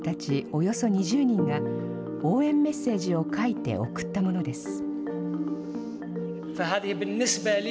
およそ２０人が、応援メッセージを書いて贈ったものです。